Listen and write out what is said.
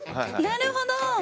なるほど。